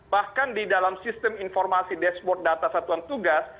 bahkan di dalam sistem informasi dashboard data satuan tugas